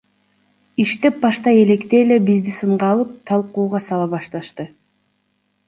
Иштеп баштай электе эле бизди сынга алып, талкууга сала башташты.